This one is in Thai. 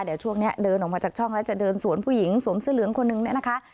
เดี๋ยวช่วงนี้เดินออกมาจากช่องแล้วจะเดินสวนผู้หญิงสวมเสื้อเหลืองคนนึงเนี่ยนะคะ